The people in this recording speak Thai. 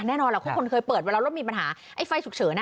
แน่นอนแหละทุกคนเคยเปิดเวลารถมีปัญหาไอ้ไฟฉุกเฉิน